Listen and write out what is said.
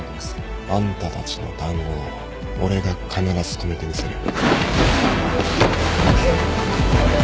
あんたたちの談合俺が必ず止めてみせる。